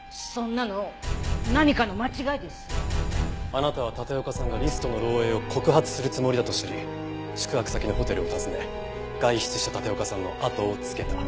あなたは立岡さんがリストの漏洩を告発するつもりだと知り宿泊先のホテルを訪ね外出した立岡さんのあとをつけた。